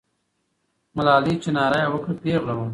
ملالۍ چې ناره یې وکړه، پیغله وه.